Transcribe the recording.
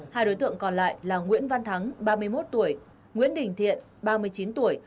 hai đối tượng còn lại là nguyễn văn thắng ba mươi một tuổi nguyễn đình thiện ba mươi chín tuổi